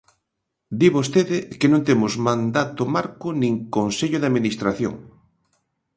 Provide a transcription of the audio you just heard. Di vostede que non temos mandato marco nin Consello de Administración.